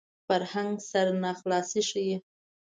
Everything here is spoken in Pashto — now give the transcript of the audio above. فرهنګ سرناخلاصي ښيي